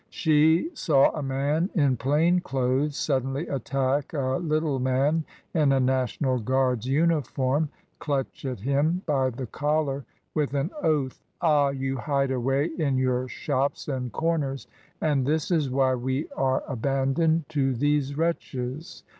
She saw a man in plain clothes suddenly attack a little man in a National Guard's uniform, clutch at him by the collar, with an oath: "Ah, you hide away in your shops and comers, and this is why we are PAST THE CHURCH OF ST. ROCH. 237 abandoned to these wretches!"